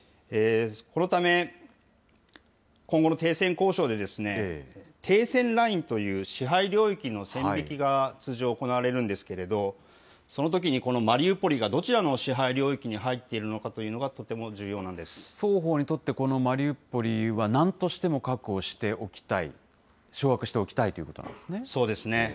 このため、今後の停戦交渉で、停戦ラインという、支配領域の線引きが通常、行われるんですけれども、そのときにこのマリウポリがどちらの支配領域に入っているかとい双方にとって、このマリウポリは、なんとしても確保しておきたい、掌握しておきたいというこそうですね。